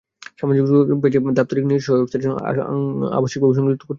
সামাজিক যোগাযোগের পেজকে দাপ্তরিক নিজস্ব ওয়েবসাইটের সঙ্গে আবশ্যিকভাবে সংযুক্ত করতে হবে।